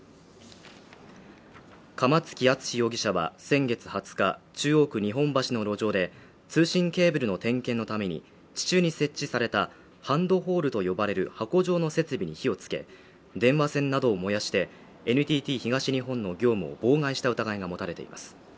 釜付敦史容疑者は先月２０日中央区日本橋の路上で通信ケーブルの点検のために地中に設置されたハンドホールと呼ばれる箱状の設備に火をつけ電話線などを燃やしてＮＴＴ東日本の業務を妨害した疑いが持たれています